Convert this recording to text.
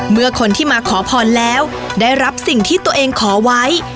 เมื่อคนที่มาขอพรแล้วได้รับสิ่งที่ตัวเองขอไว้